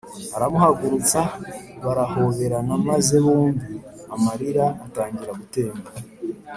aramuhagurutsa barahoberana maze bombi amarira atangira gutemba